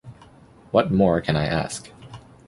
What More Can I Ask?